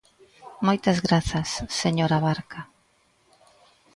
Moitas grazas, señor Abarca.